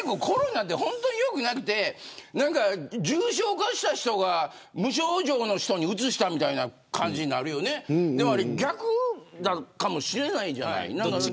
コロナって本当に良くなくて重症化した人が無症状の人にうつしたみたいな感じになるよね、でもあれ逆かもしれないじゃない。